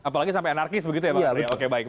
apalagi sampai anarkis begitu ya pak rie